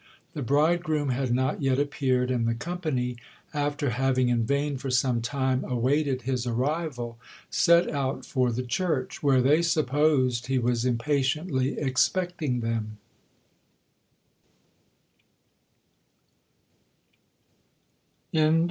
The bridegroom had not yet appeared, and the company, after having in vain for some time awaited his arrival, set out for the church, where they supposed he was impatiently expecting them.